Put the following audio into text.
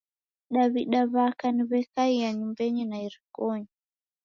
Daw'ida w'aka ni w'ekaiya nyumbenyi na irikonyi.